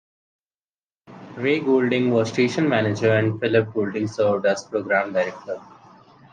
Ray Goulding was station manager and Phillip Goulding served as program director.